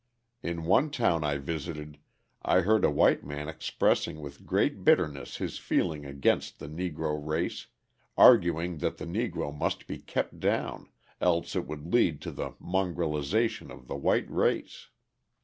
In one town I visited I heard a white man expressing with great bitterness his feeling against the Negro race, arguing that the Negro must be kept down, else it would lead to the mongrelisation of the white race.